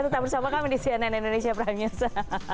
tetap bersama kami di cnn indonesia pranggese